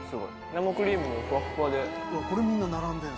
生クリームふわっふわで。